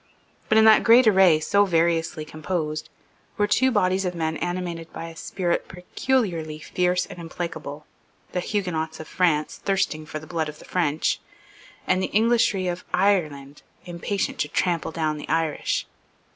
But in that great array, so variously composed, were two bodies of men animated by a spirit peculiarly fierce and implacable, the Huguenots of France thirsting for the blood of the French, and the Englishry of Ireland impatient to trample down the Irish.